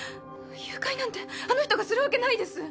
誘拐なんてあの人がするわけないです！